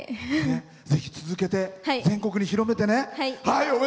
ぜひ、続けて全国に広めてね。